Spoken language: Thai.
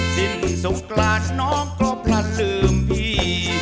สิ้นสงกรานน้องก็พลัดลืมพี่